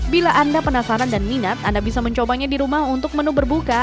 bila anda penasaran dan minat anda bisa mencobanya di rumah untuk menu berbuka